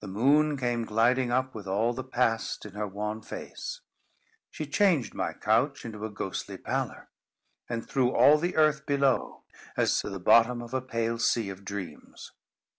The moon came gliding up with all the past in her wan face. She changed my couch into a ghostly pallor, and threw all the earth below as to the bottom of a pale sea of dreams.